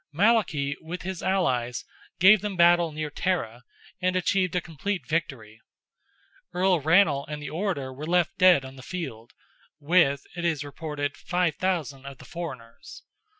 Malachy, with his allies, gave them battle near Tara, and achieved a complete victory. Earl Rannall and the Orator were left dead on the field, with, it is reported, 5,000 of the foreigners.